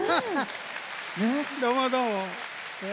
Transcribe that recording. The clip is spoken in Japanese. どうもどうも。